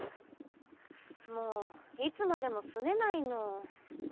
もういつまでもすねないの。